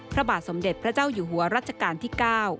พระบาทสมเด็จพระเจ้าอยู่หัวรัชกาลที่๙